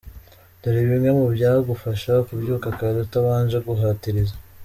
Dore bimwe mu byagufasha kubyuka kare utabanje guhatiriza: .